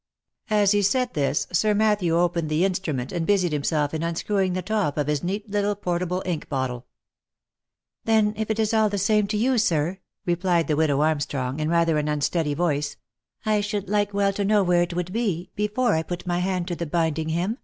As he said this, Sir Matthew opened the instrument and busied him self in unscrewing the top of his neat little portable ink bottle. 160 THE LIFE AND ADVENTURES " Then if it is all the same to you sir," replied the widow Armstrong, in rather an unsteady voice, " I should like well to know where it would be, before I put my hand to the binding him."